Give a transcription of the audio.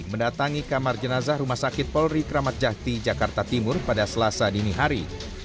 mendatangi kamar jenazah rumah sakit polri kramat jati jakarta timur pada selasa dini hari